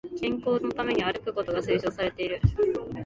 健康のために歩くことが推奨されている